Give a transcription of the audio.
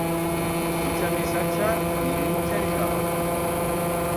Ixa mesacha ni mincha ni caga.